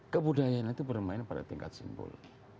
kebudayaan itu bermain pada tingkat simbol